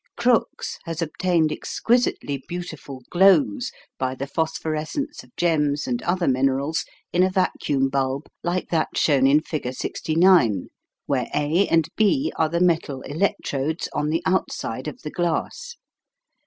Crookes has obtained exquisitely beautiful glows by the phosphorescence of gems and other minerals in a vacuum bulb like that shown in figure 69, where A and B are the metal electrodes on the outside of the glass.